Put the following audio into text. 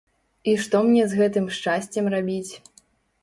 І што мне з гэтым шчасцем рабіць?